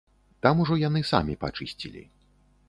Там ужо яны самі пачысцілі.